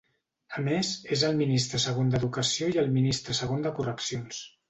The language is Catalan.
A més, és el Ministre Segon d'Educació i el Ministre Segon de Correccions.